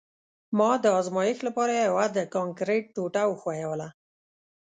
ما د ازمایښت لپاره یوه د کانکریټ ټوټه وښویوله